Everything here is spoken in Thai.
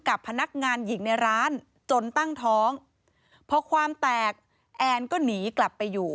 กับพนักงานหญิงในร้านจนตั้งท้องพอความแตกแอนก็หนีกลับไปอยู่